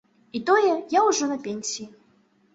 І тое, я ўжо на пенсіі.